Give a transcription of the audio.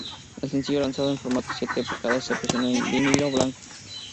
El sencillo lanzado en formato siete pulgadas se presionó en vinilo blanco.